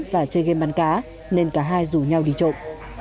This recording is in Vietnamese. và chơi game bắn cá nên cả hai rủ nhau đi trộm